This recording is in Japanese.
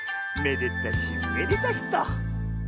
めでたしめでたしと。